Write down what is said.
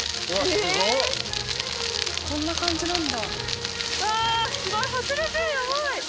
こんな感じなんだ。